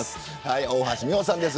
大橋未歩さんです